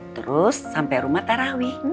terus sampai rumah tarawih